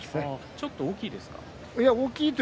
ちょっと大きいですか？